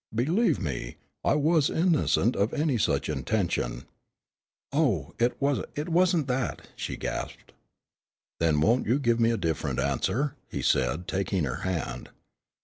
Believe me, I was innocent of any such intention." "Oh, it wasn't it wasn't that!" she gasped. "Then won't you give me a different answer," he said, taking her hand.